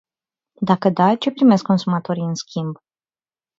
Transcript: Dacă da, ce primesc consumatorii în schimb?